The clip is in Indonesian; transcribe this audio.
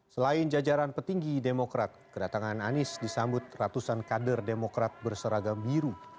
selain jajaran petinggi demokrat kedatangan anies disambut ratusan kader demokrat berseragam biru